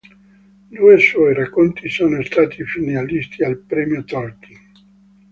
Due suoi racconti sono stati finalisti al Premio Tolkien.